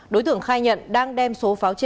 đối tượng khai nhận đang đem sử dụng pháo nổ tự chế